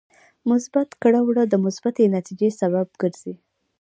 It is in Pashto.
مثبت کړه وړه د مثبتې نتیجې سبب ګرځي.